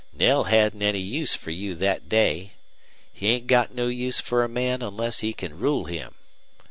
"Knell hadn't any use fer you thet day. He ain't got no use fer a man onless he can rule him.